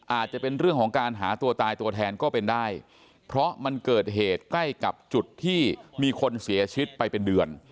อาจจะเป็นเรื่องของการหาตัวตายตัวแทนก็เป็นได้เพราะมันเกิดเหตุใกล้กับจุดที่มีคนเสียชีวิตไปเป็นเดือน